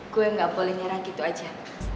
gue gak boleh nyerah gitu aja